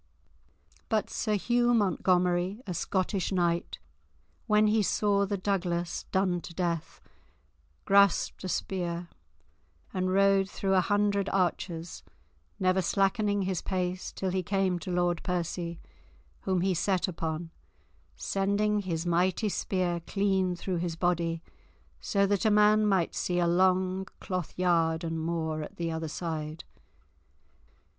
But Sir Hugh Montgomery, a Scottish knight, when he saw the Douglas done to death, grasped a spear and rode through a hundred archers, never slackening his pace till he came to Lord Percy, whom he set upon, sending his mighty spear clean through his body, so that a man might see a long cloth yard and more at the other side.